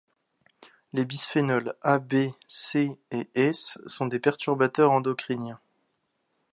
Les bisphénols A, B, C et S sont des perturbateurs endocriniens.